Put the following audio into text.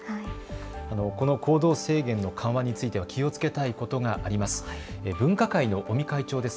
この行動制限の緩和については気をつけたいことがあります。